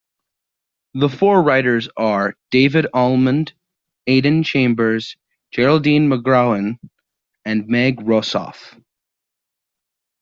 The four writers are David Almond, Aidan Chambers, Geraldine McCaughrean, and Meg Rosoff.